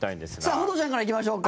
ホトちゃんからいきましょうか。